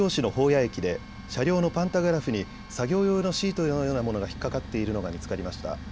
谷駅で車両のパンタグラフに作業用のシートのようなものが引っ掛かっているのが見つかりました。